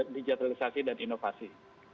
digitalisasi dan inovasi